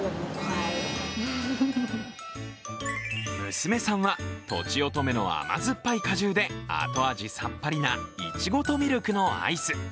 娘さんは、とちおとめの甘酸っぱい果汁で後味さっぱりないちごとミルクのアイス。